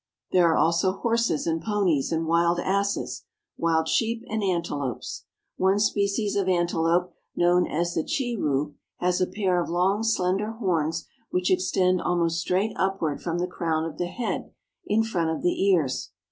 There are also horses and ponies, and wild asses, wild sheep, and antelopes. One species of antelope, known as the chiru, has a pair of long, slender horns which extend almost straight upward from the crown of the head in front of the ears.